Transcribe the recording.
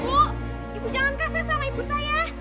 ibu ibu jangan kasih sama ibu saya